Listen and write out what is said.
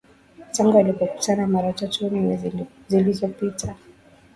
tangu walipokutana mara tatu nne zilizopita